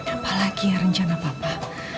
apa lagi ya rencana papa